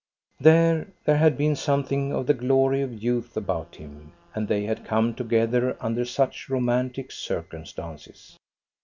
There, there had been something of the glory of youth about him, and they had come together under such romantic circumstances.